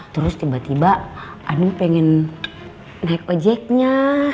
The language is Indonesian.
terus tiba tiba anu pengen naik ojeknya